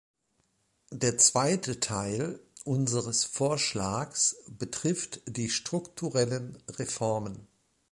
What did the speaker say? Der zweite Teil unseres Vorschlags betrifft die strukturellen Reformen.